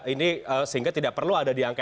ini sehingga tidak perlu